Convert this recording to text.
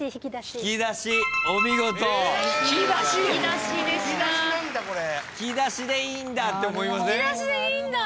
「ひきだし」でいいんだって思いません？